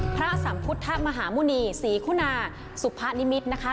สัมพุทธมหาหมุณีศรีคุณาสุพะนิมิตรนะคะ